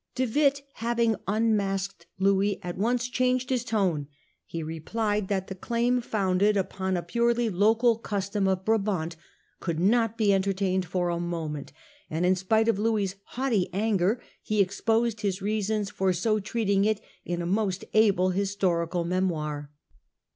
De Witt, having unmasked Louis, at once changed his tone. He replied that the claim, founded upon a De Witt purely local custom of Brabant, could not be rejects it. entertained for a moment; and in spite of Louis's haughty anger, he exposed his reasons for so treat ing it in a most able historical memoir.